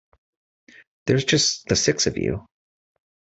There's just the six of you.